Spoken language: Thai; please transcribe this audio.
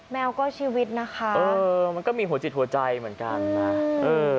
แมวก็ชีวิตนะคะเออมันก็มีหัวจิตหัวใจเหมือนกันนะเออ